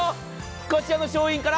こちらの商品から。